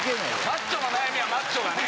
マッチョの悩みはマッチョがね。